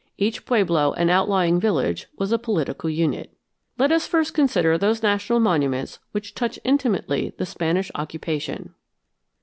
Each pueblo and outlying village was a political unit. Let us first consider those national monuments which touch intimately the Spanish occupation.